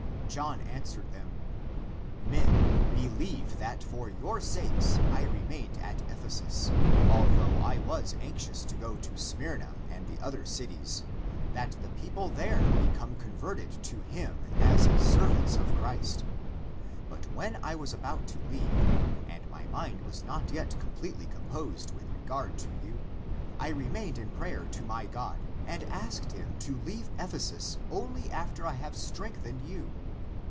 John answered them, " Men, believe that for your sakes I remained at Ephesus, although I was anxious to go to Smyrna and the other cities, that the people there become converted to Him as serv ants of Christ. But when I was about to leave and my mind was not yet completely composed with re gard to you, I remained in prayer to my God and asked Him to leave Ephesus only after I have strengthened you.